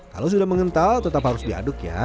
kalau sudah mengental tetap harus diaduk ya